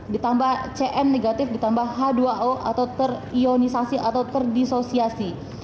ditambah cn negatif ditambah h dua o atau terionisasi atau terdisosiasi